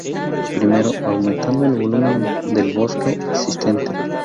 Primero, aumentando el volumen del bosque existente.